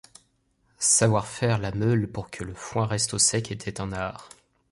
Savoir faire la meule pour que le foin reste au sec était un art.